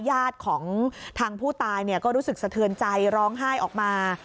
ญาติของทางผู้ตายก็รู้สึกสะเทือนใจร้องไห้ออกมา